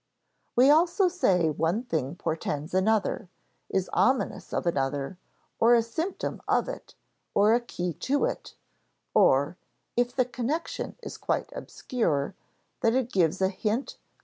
We also say one thing portends another; is ominous of another, or a symptom of it, or a key to it, or (if the connection is quite obscure) that it gives a hint, clue, or intimation.